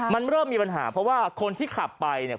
มันเริ่มมีปัญหาเพราะว่าคนที่ขับไปเนี่ย